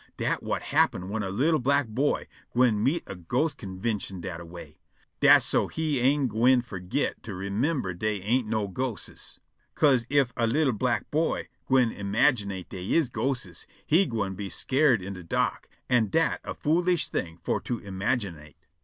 Dat whut happen' whin a li'l' black boy gwine meet a ghost convintion dat a way. Dat's so he ain' gwine forgit to remimber dey ain't no ghostes. 'Ca'se ef a li'l' black boy gwine imaginate dey is ghostes, he gwine be skeered in de dark. An' dat a foolish thing for to imaginate.